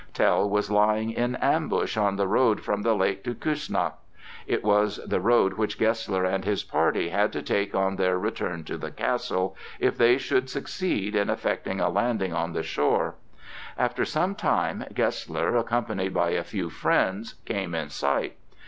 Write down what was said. Tell was lying in ambush on the road from the lake to Kuessnacht. It was the road which Gessler and his party had to take on their return to the castle, if they should succeed in effecting a landing on the shore. After some time Gessler, accompanied by a few friends, came in sight.